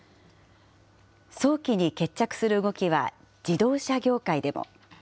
早期に決着する動きは自動車業界でも。